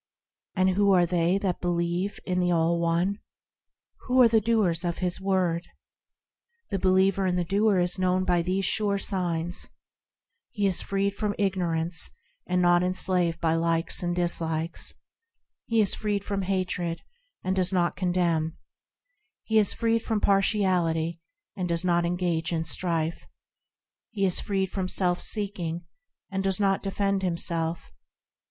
And who are they that believe in the All One? Who are the doers of His Word ? The believer and doer is known by these sure signs,– He is freed from ignorance and is not enslaved by likes and dislikes ; He is freed from hatred, and does not condemn ; He is freed from partiality, and does not engage in strife ; He is freed from self seeking, and does not defend himself.